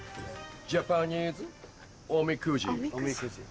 ジャパニーズおみくじ。